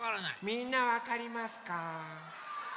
みんなわかりますか？